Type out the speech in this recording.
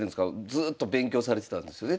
ずっと勉強されてたんですよね